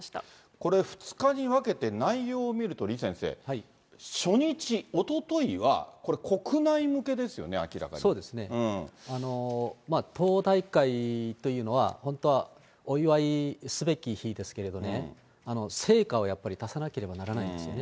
これ、２日に分けて内容を見ると、李先生、初日、おとといはこれ、国内向けですよね、そうですね。党大会というのは、本当はお祝いすべき日ですけれども、成果をやっぱり出さなければならないんですよね。